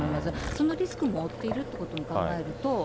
そのリスクも負っているということも考えると。